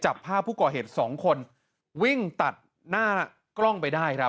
จับภาพผู้ก่อเหตุสองคนวิ่งตัดหน้ากล้องไปได้ครับ